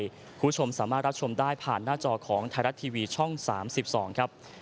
คุณผู้ชมสามารถรับชมได้ผ่านหน้าจอของไทยรัฐทีวีช่อง๓๒ครับ